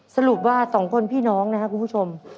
สรุปว่า๒คนพี่น้องนะครับคุณผู้ชม